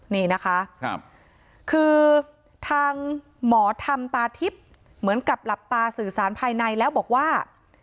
นี่นะคะคือทางหมอธรรมตาทิพย์เหมือนกับหลับตาสื่อสารภายในแล้วบอกว่า